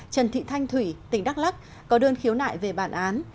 trần thị thanh thủy tỉnh đắk lắc có đơn khiếu nại về bản án